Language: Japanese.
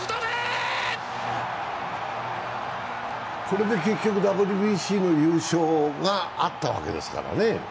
これでＷＢＣの優勝があったわけですからね。